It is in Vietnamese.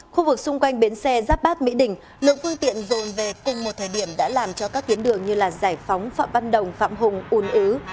khu vực xung quanh bến xe giáp bát mỹ đình lượng phương tiện dồn về cùng một thời điểm đã làm cho các tuyến đường như giải phóng phạm văn đồng phạm hùng un ứ